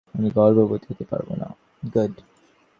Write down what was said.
আমি গর্ভবতী হতে পারব না।